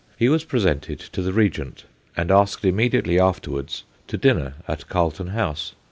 He was presented to the Regent, and asked im mediately afterwards to dinner at Carlton House.